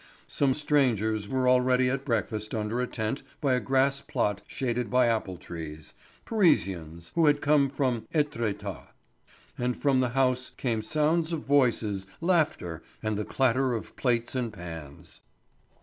Some strangers were already at breakfast under a tent by a grass plot shaded by apple trees—Parisians, who had come from Étretat; and from the house came sounds of voices, laughter, and the clatter of plates and pans.